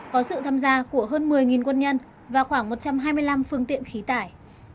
có sự tham gia của hơn một mươi quân nhân và khoảng một trăm hai mươi năm phương tiện khí tải